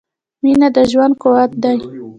• مینه د ژوند قوت دی.